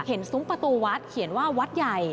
ซุ้มประตูวัดเขียนว่าวัดใหญ่